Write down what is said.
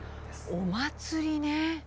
お祭りね。